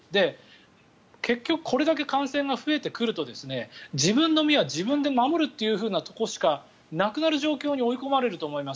結局これだけ感染が増えてくれば自分の身は自分で守るというところしかなくなる状況に追い込まれると思います、